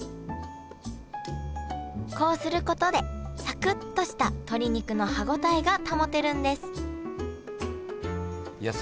こうすることでサクっとした鶏肉の歯応えが保てるんですいや